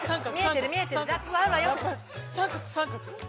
◆三角、三角。